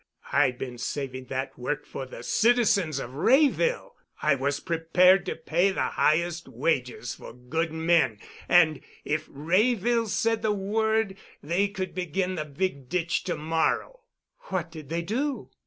I'd been saving that work for the citizens of Wrayville. I was prepared to pay the highest wages for good men, and, if Wrayville said the word, they could begin the big ditch to morrow." "What did they do?"